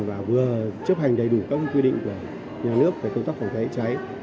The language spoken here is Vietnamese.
và vừa chấp hành đầy đủ các quy định của nhà nước về công tác phòng cháy cháy